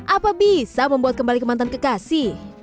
apa bisa membuat kembali ke mantan kekasih